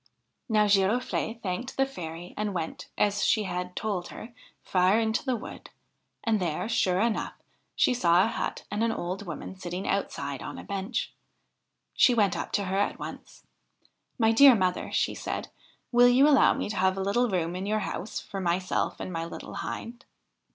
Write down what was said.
Now Girofle'e thanked the fairy and went, as she had told her, far into the wood ; and there, sure enough, she saw a hut and an old woman sitting outside on a bench. She went up to her at once. ' My dear mother,' she said, ' will you allow me to have a little room in your house for myself and my little Hind?'